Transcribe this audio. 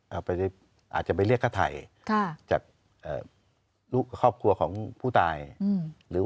เอาไปอาจจะไปเรียกข้าไถจากลูกครอบครัวของผู้ตายหรือ